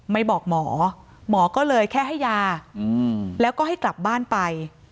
ไม่บอกหมอหมอก็เลยแค่ให้ยาแล้วก็ให้กลับบ้านไป